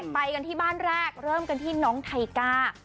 ไปกันที่บ้านแรกเริ่มกันที่น้องไทก้า